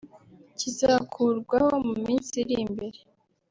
kizakurwaho mu minsi iri imbere